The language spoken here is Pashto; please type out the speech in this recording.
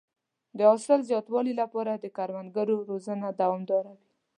د حاصل د زیاتوالي لپاره د کروندګرو روزنه دوامداره وي.